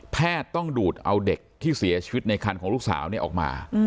แพทย์ต้องดูดเอาเด็กที่เสียชีวิตในคันของลูกสาวออกมา